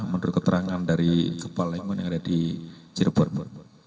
menurut keterangan dari kepala lingkungan yang ada di cirebon